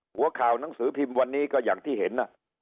หัวข่าวหนังสือพิมพ์วันนี้ก็อย่างที่เห็นนะ